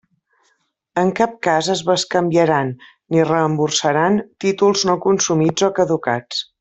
En cap cas es bescanviaran ni reemborsaran títols no consumits o caducats.